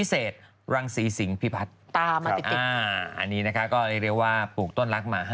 กลัวว่าผมจะต้องไปพูดให้ปากคำกับตำรวจยังไง